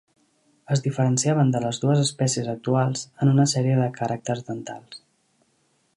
Es diferenciaven de les dues espècies actuals en una sèrie de caràcters dentals.